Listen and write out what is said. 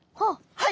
はい。